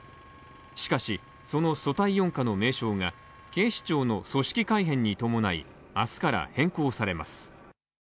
しかし、その組対四課の名称が警視庁の組織改編に伴い明日から変更されます。